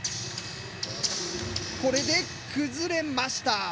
これで崩れました。